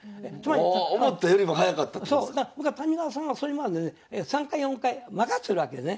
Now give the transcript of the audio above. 僕は谷川さんはそれまでね３回４回負かしてるわけだね。